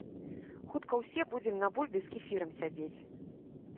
Хутка ўсе будзем на бульбе з кефірам сядзець.